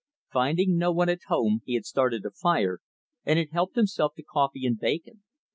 Finding no one at home, he had started a fire, and had helped himself to coffee and bacon.